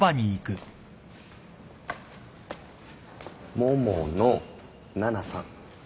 桃野奈々さん。